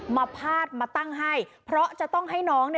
พาดมาตั้งให้เพราะจะต้องให้น้อง